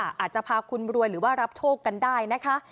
อาจจะพาคุณรวยหรือว่ารับโชคกันได้นะคะ